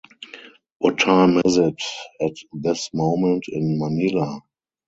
What time is it at this moment in Manila?